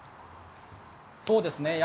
そうですね。